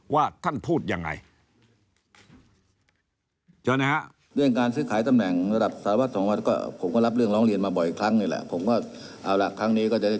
ว่าท่านพูดยังไง